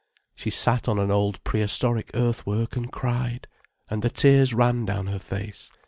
She sat on an old prehistoric earth work and cried, and the tears ran down her face.